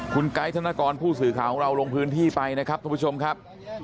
คุณไกด์ธนกรผู้สื่อข่าวของเราลงพื้นที่ไปนะครับทุกผู้ชมครับ